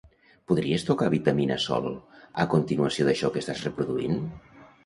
Podries tocar "Vitamina sol" a continuació d'això que estàs reproduint?